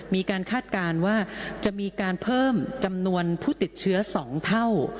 คาดการณ์ว่าจะมีการเพิ่มจำนวนผู้ติดเชื้อ๒เท่า